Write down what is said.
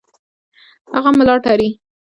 هغه ملا وتړي.